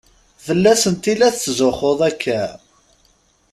Fell-asent i la tetzuxxuḍ akka?